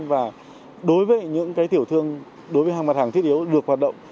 và đối với những tiểu thương hàng mặt hàng thiết yếu được hoạt động